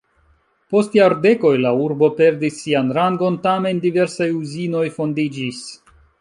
Post jardekoj la urbo perdis sian rangon, tamen diversaj uzinoj fondiĝis.